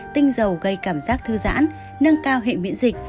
tinh dầu gây cảm giác thư giãn nâng cao hệ miễn dịch